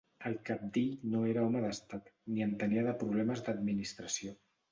El cabdill no era home d'Estat, ni entenia de problemes d'administració.